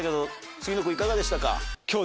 杉野君いかがでしたか？